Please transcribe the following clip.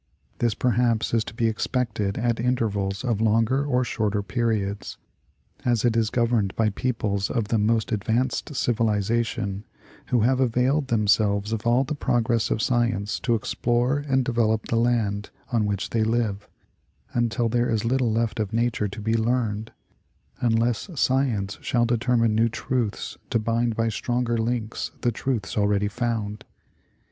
This, perhaps, is to be expected at intervals of longer or shorter periods, as it is governed by peoples of the most advanced civilization, who have availed themselves of all the progress of science to explore and develop the land on which they live, until there is little left of nature to be learned, unless science shall determine new truths to bind by stronger links the truths already found.